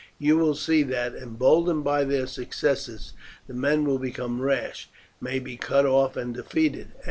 You will see that, emboldened by their successes, the men will become rash, and may be cut off and defeated.